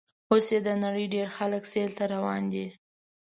اوس یې د نړۍ ډېر خلک سیل ته روان دي.